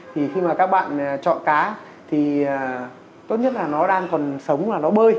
thì khi mà các bạn chọn cá thì tốt nhất là nó đang còn sống là nó bơi